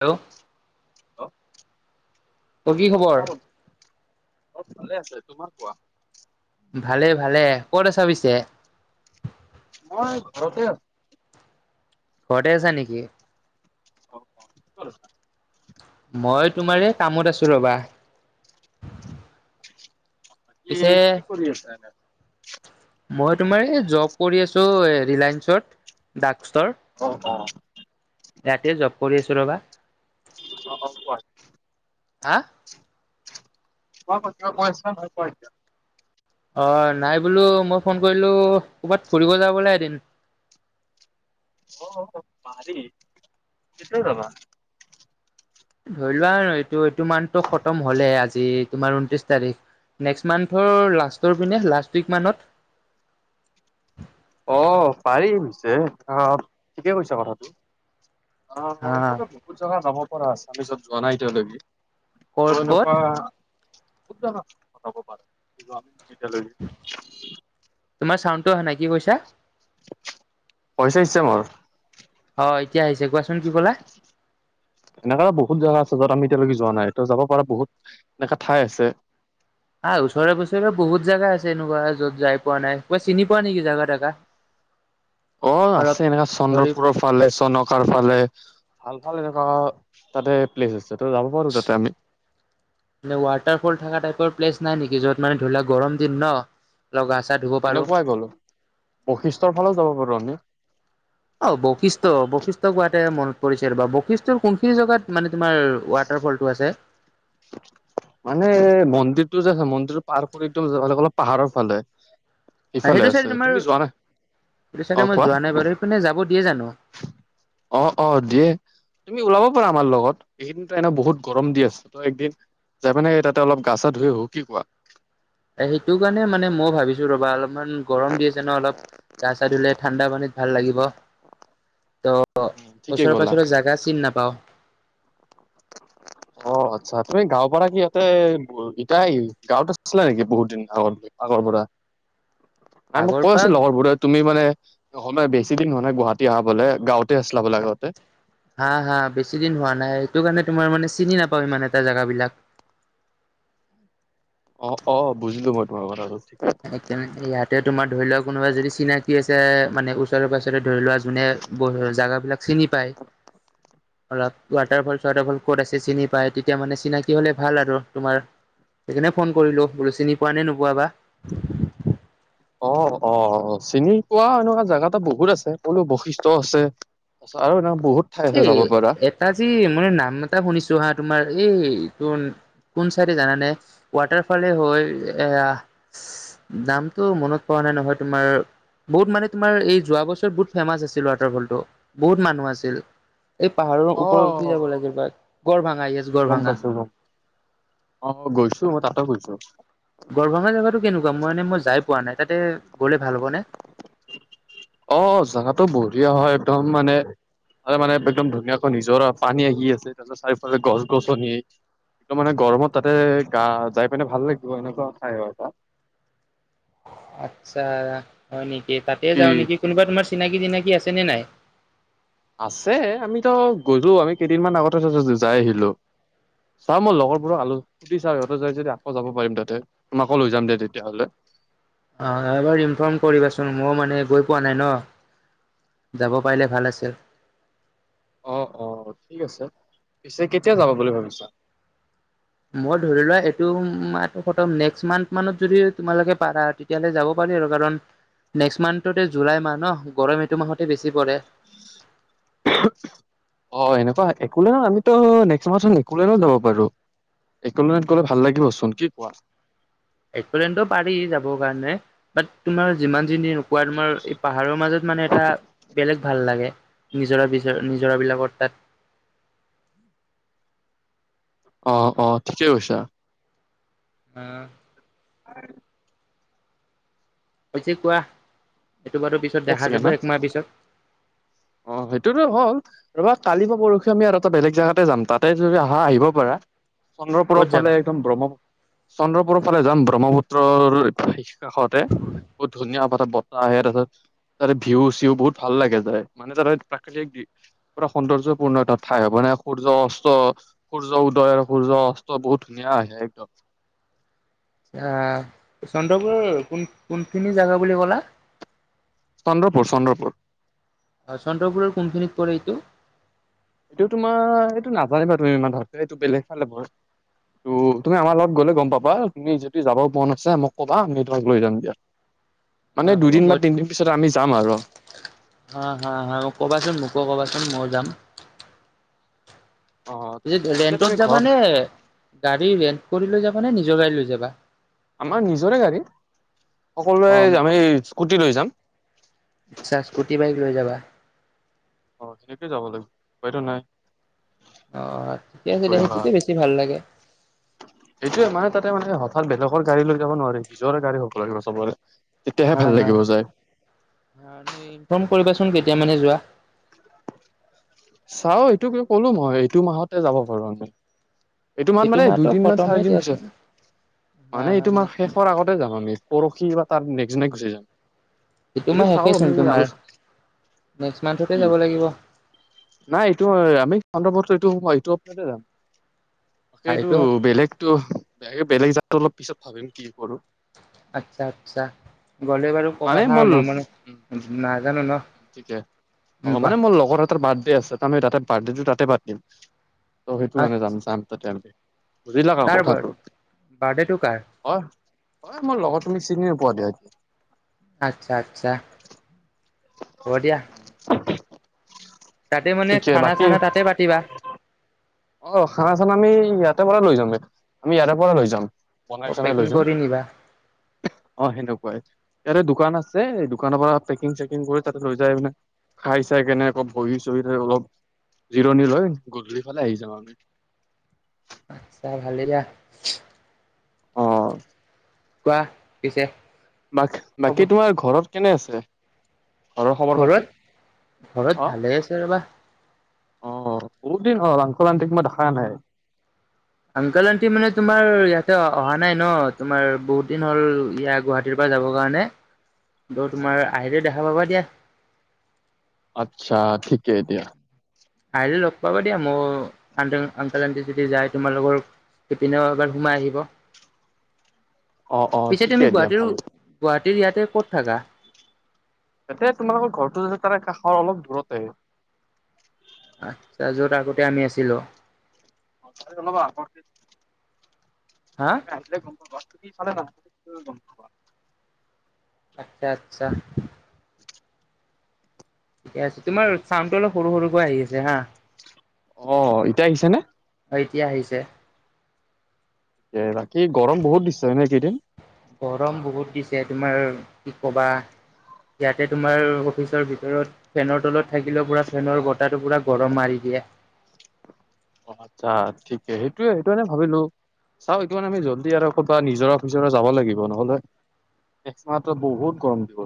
Hello তোৰ কি খবৰ অত ভালে আছে তোমাৰ কোৱা। ভালে ভালে ক'ত আছ পিছে। মই ঘৰতে আছো। ফটছা নকি অ অ কি কৰিছা? মই তোমাৰে কামত আছো ৰবা। বাকী পিছে কি কৰি আছা এনে মই তোমাৰ এই জব কৰি আছো এ ক ইয়াতে জব কৰি আছো ৰবা কোৱা হা ম প পছা প অ নাই বোলো মই ফোন কৰিলো ক'ৰবাত ফুৰিব যাবলৈলে এদিন অ'- পাৰি কেতিয় যাবা ধৰি লোৱা এইটো এইটো মানতটো খতম হ'লেই আজি তোমাৰ ঊনত্ৰিশ তাৰিখ নেক্সট মান্থৰ লাষ্টৰ পিনে লাষ্ট উইক মানত অ' পাৰি পিছে আহ ঠিকে কৈছা কথাটো। হা অ' এনেতো বহুত জাগা যাব পৰা আছে পিছে আমি চব যোৱা নাই এতিয়ালৈকে। ক'ত মই ক'ত এনেকুৱা ক'ত যাবা [unintelligible] তোমাৰ চাউণ্ডটো অহা নাই কি কৈছা? পইচা ইচ্ছা মোৰ। হয়। এনেকুৱা বহুত জেগা আছে য'ত আমি এতিয়ালৈকে যোৱা নাই এয়া যাব পৰা বহুত এনেকা ঠাই আছে। আহ ওচৰে পাজৰে বহুত জাগা আছে এনেকুৱা য'ত যাই পোৱা নাই, কই চিনি পোৱা নেকি জাগাত থকা। অ' অলপ আছে এনেকা ধৰি চন্দ্ৰপুৰৰ ফালে, চনকাৰ ফালে। ভাল ভাল এনেকা তাতে প্লেছ আছে। ত যাব পাৰো তাতে আমি এনে ৱাটাৰফল থকা টাইপৰ প্লেচ নাই নেকি য'ত মানে ধৰি লোৱা গৰম দিন ন। অলপ গা চা ধুব পাৰো এনেকুৱাই গ'লো বশিষ্ঠৰ ফালে যাব পাৰো আমি। অ' বশিষ্ঠ বশিষ্ঠ কোৱাতে মনত পৰিছে বা বৈশিষ্টৰ কোনখিনি জেগাত মানে তোমাৰ ৱাটাৰ ফলটো আছে। মানে মন্দিৰটো যে আছে মন্দিৰত পাৰ কৰি টো যাব লাগিব অলপ পাহাৰৰ ফালে সেইটো ইফালে চাইড আছে তোমাৰ তুমি যোৱা নে সেইটো চাইডে অ', মই কোৱা যোৱা নাই বাৰু সেইপিনে যাব দিয়ে জানো অ', অ', দিয়ে তুমি ওলাব পাৰা আমাৰ লগত এইদিনত এনে বহুত গৰম দি আছে ত একদিন যাবা নে তাতে অলপ গা চা ধুই আহো কি কোৱা সেইটো কাৰণে মানে মই ভাবিছো ৰবা অলপ। ইমান গৰম দি আছে ন অলপ গা চা ধুলে ঠাণ্ডা পানীত ভাল লাগিব ত' উম ঠিকে ওচৰে গ'লা পাচৰে জাগা চিন নাপাওঁ। অ [unintelligible] অ', আচ্ছা তুমি গাঁওৰ পৰাৰ কি ইহঁতে ইতিয়া গাঁওত আছিলা নেকি বহুত দিন আগত আগৰ পৰা নাই মোক আগৰ কৈ আছো পৰা লগৰবোৰে তুমি মানে সময় বেছি দিন হোৱা নাই গুৱাহাটী অহা বলে গাঁওতে আছিল বলে আগতে। হা, হা বেছি দিন হোৱা নাই সেইটো কাৰণে তোমাৰ মানে চিনি নাপাওঁ মানে এটা জেগাবলাক ব আৰু এক ইয়াতে তোমাৰ ধৰি লোৱা কোনোবা যদি চিনাকি আছে মানে ওচৰৰ পাচ ততে ধৰি লোৱা যোনে ব জাগাবিলাক চিনি পায় [inaudible] অলপ ৱাটাৰফল চৱাটাৰফল ক'ত আছে চিনি পাই তেতিয়া মানে চিনাকি হলে ভাল আৰু তোমাৰ সেইকাৰণে ফোন কৰিলো বোলো চিনি পোৱা নে নোপোৱা বা। অ', অ', চিনি পোৱা এনেকুৱা জাগাতু বহুত আছে বোলো বৈশিষ্ঠ আছে। চাৰ নাম এ এটা যি মানে নাম এটা শুনিছো হা তোমাৰ এই তোৰ কোন চাইডে জানানে ৱাটাৰফালে হৈ এয়াহ নামটো মনত পৰা মানে নহয় তোমাৰ বহুত মানে তোমাৰ এই যোৱা বছৰত বহুত ফেমাচ আছিল ৱাটাৰফলটো বহুত মানুহ আছিল এই পাহাৰৰ অ ওপৰত উঠি যাব লাগিব বা গৰভাং গম পাইছো গম অ', গৈছো মই তাতো গৈছো। গৰভাঙা জাগাতো কেনেকুৱা মই মানে মই যাই পোৱা নাই তাতে গ'লে ভাল হ'বনে অ', জাগাটো বঢ়িয়া হয় একদম মানে। তাৰে মানে একদম ধুনীয়াকৈ নিজৰ পানী আহি আছে তাৰপিছত চাৰিওফালে গছ গছনিয কি মানে গৰমত তাতে গা যাই পিনে ভাল লাগিব এনেকুৱা ঠাই আৰু এটা আচ্ছা, হয় নেকি তাতে কি যাওঁ নেকি কোনোবা তোমাৰ চি চিনাকি চিনাকি আছে নে নাই আছে আমিতো গলো আমি কেইদিনমান আগতে যাই আহিলো চাওঁ মই লগৰ পৰা আলোচ শুধি চাওঁ সিহঁতে যাই যদি আকৌ যাব পাৰিম তাতে তোমাকো লৈ যাম দে তেতিয়াহ'লে। অ এবাৰ ইনফৰ্ম কৰিবাচোন মই মানে গৈ পোৱা নাই ন যাব পাৰিলে ভাল আছিল। অ', অ', ঠিক আছে পিছে কেতিয়া যাবা বুলি ভাবিছা। মই ধৰি লোৱা এইটো মান্থ নেক্সট মান্থ মানত যদি তোমালোকে পাৰা তেতিয়াহলে যাব পাৰো। নেক্সট মান্থ টোতে জুলাই মাহ ন গৰম এটো মাহতে বেছি পৰে অ', এনেকুৱা এক নহয় আমিতো নেক্স মান্থত একলেণ্ডও যাব পাৰো। একলেণ্ড গলে ভাল লাগিবচোন কি কোৱা। একলেণ্ডও পাৰি যাবৰ কাৰণে বাট তোমাৰ যিমান য নোকোৱা তোমাৰ এই পাহাৰৰ মাজত মানে এটা বেলেগ ভাল লাগে নিজৰা বিজৰা নিজৰাবিলাকত তাত অ', অ', ঠিকেই কৈছা। আহ, আৰু [unintelligible] হৈছে কোৱা। এইটো বাৰু পিছত দেখা একচেকেন্ড যাব হা একমাহ পিছত অ' সেইটোতো হ'ল ৰ'বা কালি বা পৰশি আমি আৰু এটা বেলেগ জেগাতে যাম তাতে যদি আহা আহিব পাৰা। চন্দ্ৰপুৰৰ ক'ত ফালে যাবা? একদম ব্ৰহ্মপত চন্দ্ৰপুৰৰ ফালে যাম ব্ৰহ্মপুত্ৰৰ কাষতে বহুত ধুনীয়া বৰ্তাহ আহে তাৰপিছত তাৰে ভিউ চিউ বহুত ভাল লাগে ত মানে তাৰে প্ৰাকৃতিক দিশ পুৰা সৌন্দৰ্যপূৰ্ণ এাত ঠাই হ'ব মানে সূৰ্য অস্ত সূৰ্য উদয়ৰ সূৰ্য অস্ত বহুত ধুনীয়া আহে একদম চন্দ্ৰপ কোন কোনখিনি জোগা বুলি কলা চন্দ্ৰপুৰ চন্দ্ৰপুৰ আহ চন্দ্ৰপুৰৰ কোনখিনিত প এইটো এইটো তোমাৰ এইটো নাজানিবা তুমি ইানৰ এইটো বেলেগ ফালে ব ত তুমি আমাৰ লগত গ'লে গম পাবা তুমি যিহু যাব মন আছে মোক কবা আমি তোমাক লৈ যাম দিয়া অ মানে হ'ব দুদিন বা মই তিনদিন পিছত আমি যাম আৰু হা হা হা মোক কবাচোন মোকো কবাচোন মই যাম অ পিছে ৰেন্টত তুমি যাবা ঘৰত নে গাড়ী ৰেন্ট কৰি লৈ যাবা নে নিজৰ গাড়ী লৈ যাবা আমাৰ নিজৰে গাড়ী অ সকলোৱে আমি স্কুটি লৈ যাম আচ্ছা স্কুটি বাইক লৈ যাবা অ সেনেকেই যাব লাগিব উপাইটো নাই অ ঠিকে কি আছে দে কৰিবা সেইটোতে বেছি ভাল লাগে এইটোয়ে মানে তাতে মানে ত বেলেগৰ গাড়ী লৈ যাব নোৱাৰে নিজৰে গাড়ী হ'ব লাগিব চবৰে তেতিয়াহে হা ভাল হা লাগিব যায় ইনফৰ্ম কৰিব কোন কেতিয়া মানে যোৱা চাও এইটো ক'লো মই এইটো মাহতে যাব পাৰো আমি এইটো মাৰ মানে মাহতো দুইদিন ম চাৰি খতমেই দিন দিয়াচোন পিছত হা মানে হা এইটো মাৰ নেক্স শেষৰ আগতে যাম আমি পৰহি বা তাৰ নেক্জনে গুচি যাম এইটো মাহ চাও শেষেচোন আমি তোমাৰ আলোচনা নেক্সট মান্থতে কি যাব লাগিব নাই এইটো আমি এইটো এইটো সপ্তাহত যাম। তাকে এইটো বেলেগতো বে বেলেগ যাতো অলপ পিছত ভাবিম কি কৰো আচ্ছা আচ্ছা গ'লে বাৰু কবা মানে হা মই মানে নাজানো ন। গতিকে উম অ কোৱা মানে মোৰ লগৰ এটাৰ বাৰ্থডে আছে তাৰি তাতে বাৰ্থডেটো তাতে পাতিম। ত সেইটো কাৰণে আচ্ছা যাম চাম ততেমি। বুজিলা আৰু কাৰ বাৰ কথাটো বাৰ্থডেটো কাৰ অ মোৰ লগত তুমি চিনি নোপোৱা দিয়া কব দিয়া তাতে মানে ঠিকে খানা বাকি চানা তাতে পাতিবা অ খানা চানা আমি ইয়াতে পৰা লৈ যামগে আমি ইয়াৰে পৰা লৈ যাম বনাই চনাই লৈ পেকিং যাম কৰি নিবা অ সেনেকুৱাই ইয়াতে দোকান আছে দোকানৰ পৰা পেকিং চেকিং কৰি তাতে লৈ যাই পিনে খাই চাই কেনেক বহি চহি অলপ জিৰণি লৈ গধূলি ফালে আহি য [unintelligible] আচছা ভালেই দা। অ কোৱা পিছে। ব হ'ব বাকী তোমাৰ ঘৰত কেনে আছে। ঘৰৰ খবৰ পাতি ঘৰত ঘৰত অ ভালে আছে ৰবা। অ বহুত দিন অ ৰাংস ৰানতে কা দেখা নাই অংকেল আন্টি মানে তোমাৰ ইয়াতে অহা নাই ন। তোমাৰ বহুত দিন হ'ল ইয়া গুৱাহাটীৰ পৰা যাবৰ কাৰণে ত তোমাৰ আহে। দেখা পাবা দিয়া। আচ্ছা ঠিকে এতিয়া। আহিলে লগ পাবা দিয়া মোৰ আ আকাল আটি যদি যায় তোমাল লগোকৰ ইপিনেও এবাৰ সোমাই আহিব। [unintelligible] অ', পিছে ঠিকে তুমি দিয়া গুৱাহাটীৰ ভাল। গুৱাহাটীৰ ইয়াতে ক'ত থাকা। তাতে তোমালোকৰ ঘৰটো যতে তাৰে কাষৰ অলপ দূৰতে আহে আচ্ছা যত আগতে আমি আছিলো। ত অলপ আগত হা আহিলে গম পাবা [unintelligible] আচ্ছা আচ্ছা। ঠিকে আছে তোমাৰ চাউনটো অলপ সৰু সৰু। আহি আছে হা। অ', এতিয়া আহিছে নে এতিয়া আহিছে। বাকী গৰম বহুত দিছে হয় ন এই কেইদিন। গৰম বহুত দিছে তোমাৰ কি ক'বা। ইয়াতে তোমাৰ অফিচৰ ভিতৰত ফেনৰ তলত থাকিলে পুৰা ফেনৰ বতাহটো পুৰা গৰম মাৰি দিয়ে। দিয়ে। আচ্ছা ঠিকেই সেইটোয়ে সেইটোনে ভাবিলো। চাও এইটোনে আমি জল্দি আৰু ক'ৰবা নিজৰ অফিচ যাব লাগিব নহলে একমাত্হ বহুত গৰম দিৱ।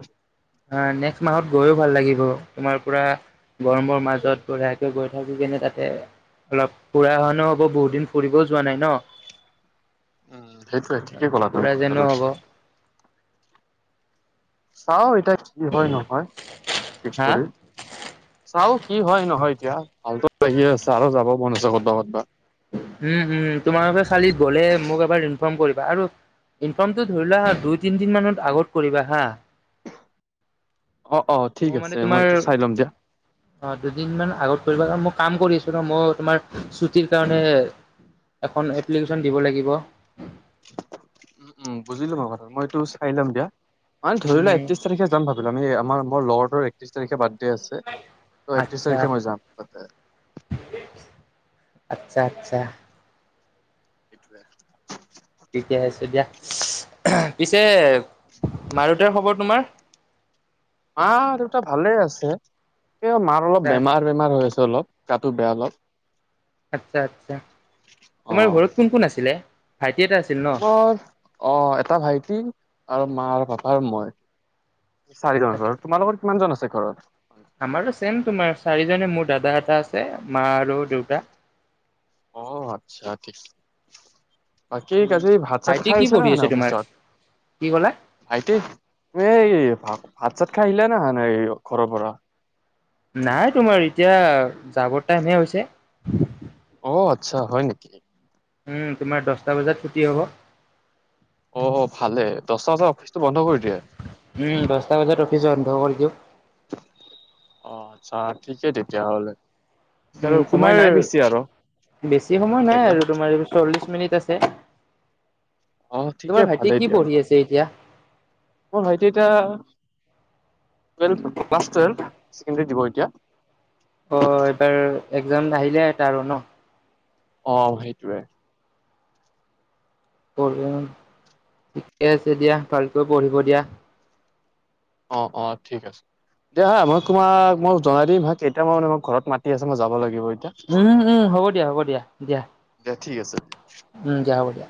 অ নেক্সট মাহত গৈয়ও ভাল লাগিব তোমাৰ পুৰা গৰমৰ মাজত বঢ়িয়াকে গৈ থাকো কেনে তাতে অলপ ফুৰা অহা নো হ'ব বহুত দিন ফুৰিবও যোৱা নাই ন উম সেইটো ঠিকেই ক'লা তুমি ফুৰা যেনো কথাটো হ'ব চাও এতি কি হয় নহয় ষ হা কৰি চাও কি হয় নহয় এতিয়া ভালো লাগি আছে আৰু যাব মন ক'ত কবা। উম উম তোমালোকে চালি গ'লে মোক এবাৰ ইনফৰ্ম কৰিবা আৰু ইনফৰ্মটো ধৰিলোৱা হা দুই তিনদিন মানত আগত কৰিবা হা অ অ ঠিক মই মানে আছে তোমাৰ এইটো চাই ল'ম দিয়া। অ দুদিন মান আগত কৰিব কাৰণ মই কাম কৰিছো ন মই তোমাৰ ছুটিৰ কাৰণে এখন এপ্লিকেশ্যন দিব লাগিব উম বুজিলো মই কথা মইটো চাই লম দিয়া মানে ধৰিলোৱা উম একত্ৰিছ তাৰিখে যাম ভাবিলো আমি আমাৰ মোৰ লগতটোৰ একত্ৰিছ তাৰিখে বাদ ডে আছে ত একত্ৰিশ আচ্ছা তাৰিখে মই যাম তাতে আচ্ছা আচ্ছা এটোৱে ঠিকে আছে দিয়া পিছে মাৰুতোৱে খবৰ তোমাৰ? মা দেউতা ভালে আছে। মাৰ অলপ আচ্ছা বেমাৰ বেমাৰ হৈ আছ জলপ গাতো বেয়া অলপ। আচ্ছা আচ্ছা তোমাৰ ঘৰত কোন কোন আছিলে? ভাইটি এটা আছিল ন মই অ এটা ভাইটি আৰু মা আৰু পাপা মই। চাৰিজন। তোমালোকৰ কিমান জন আছে ঘৰত? আমাৰো ছেম তোমাৰ চাৰিজনে মূত দাদা এটা আছে মা আৰু দেউতা। অ আচ্ছা ঠিক বাকী উম কাজি ভাত চাত ভাইটি কি খাইছে না পঢ়ি হানা আছে তোমাৰ অফিচত? কি ক'লা ভাইটি এই ভাব ভাত চাত খাই আহিলা না হানা ৰিঅ' ঘৰৰ পৰা? নাই, তোমাৰ এতিয়া জাবৰ টাইমহে হৈছে। অ আচ্ছা হয় নেকি? উম তোমাৰ দছটা বজাত ছুটি হ'ব। অ ভালে, দছটা বজাত অফিচ উম, দহটা বজাত অফিচ বন্ধ কৰি দিওঁ। চা ঠিকে তেতিয়াহ'লে। পিছে উম, আৰু সময় তোমাৰ নাই বেছি আৰু বেছি সময় নাই চাগে আৰু তোমাৰ চল্লিশ মিনিট। তেছে। অ' ঠিকে ভালেই দিয়া নহলে। মোৰ ভাইটি এতিয়া, twelve, class twelve high secondary দিব এতিয়া। অ' এইবাৰ একজাম আহিলে এটা আৰু ন। অ সেইটোৱে ঠিকে আছে দিয়া ভালকৈ পঢ়িব দিয়া। অ অ ঠিক আছে দিয়া হা মই তোমাক মই জনাই দিম হা কেইটামানে মই ঘৰত মাতি আছে মই যাব লাগিব এতিয়া উম উম হ'ব দিয়া হ'ব দিয়া দিয়া দিয়া ঠিক আছে। উম দিয়া হ'ব দিয়া